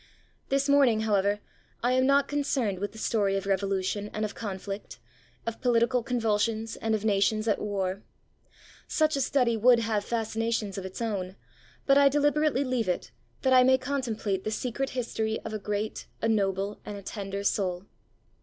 This morning, however, I am not concerned with the story of revolution and of conflict, of political convulsions and of nations at war. Such a study would have fascinations of its own; but I deliberately leave it that I may contemplate the secret history of a great, a noble, and a tender soul.